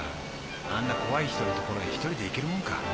あんな怖い人の所へ１人で行けるもんか。